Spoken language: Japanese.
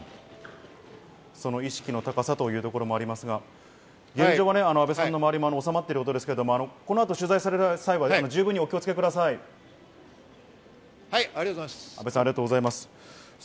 その意識の高さというところもありますが、現状は阿部さんの周りも収まっていますが、この後、取材される際は十分お気をつけくありがとうございます。